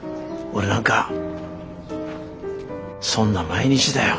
俺なんかそんな毎日だよ。